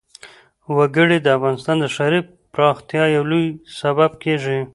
وګړي د افغانستان د ښاري پراختیا یو لوی سبب کېږي.